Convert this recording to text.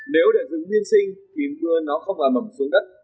nếu để dựng nguyên sinh thì mưa nó không ở mầm xuống đất